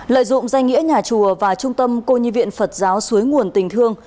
lợi dụng danh nghĩa nhà chùa và trung tâm cô như viện phật giáo suối nguồn tình thương